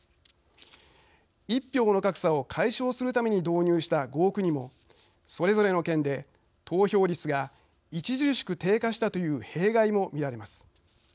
１票の格差を解消するために導入した合区にもそれぞれの県で投票率が著しく低下したという弊害も見られます。